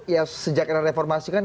ya sejak era reformasi kan